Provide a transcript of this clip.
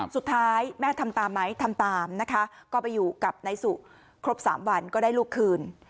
สุดท้ายแม่ทำตามไหมทำตามนะคะก็ไปอยู่กับนายสุครบ๓วันก็ได้ลูกคืน